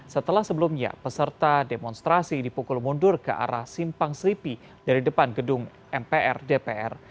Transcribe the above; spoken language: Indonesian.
setelah sebelumnya peserta demonstrasi dipukul mundur ke arah simpang selipi dari depan gedung mpr dpr